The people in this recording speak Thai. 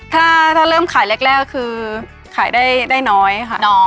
ถ้าเริ่มขายแรกคือขายได้น้อยค่ะ